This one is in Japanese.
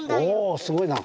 おすごいな。